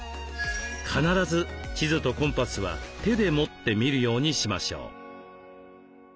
必ず地図とコンパスは手で持って見るようにしましょう。